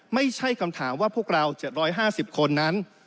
ไม่ใช่คำถามว่าพวกเรา๗๕๐คนนั้น